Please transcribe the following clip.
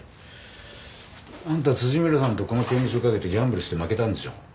あんた村さんとこの権利書を賭けてギャンブルして負けたんでしょ？